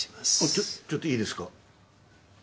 ちょっちょっといいですか？